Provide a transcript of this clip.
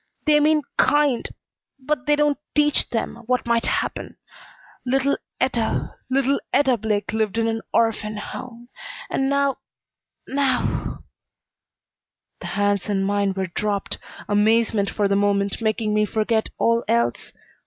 They mean kind but they don't teach them what might happen. Little Etta little Etta Blake lived in an orphan home. And now now " The hands in mine were dropped, amazement for the moment making me forget all else.